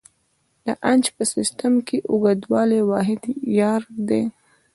د انچ په سیسټم کې د اوږدوالي واحد یارډ دی.